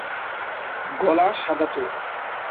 গলা সাদাটে।